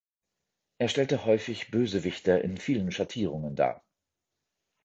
Er stellte häufig Bösewichter in vielen Schattierungen dar.